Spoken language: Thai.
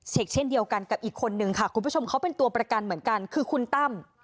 เช่นเดียวกันกับอีกคนนึงค่ะคุณผู้ชมเขาเป็นตัวประกันเหมือนกันคือคุณตั้ม